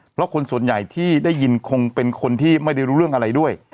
เพราะคนส่วนใหญ่ที่ได้ยินคงเป็นคนที่ไม่ได้รู้เรื่องอะไรด้วย